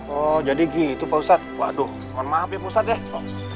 oh jadi gitu pak ustadz waduh mohon maaf ya pak ustadz ya